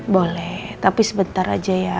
boleh tapi sebentar aja ya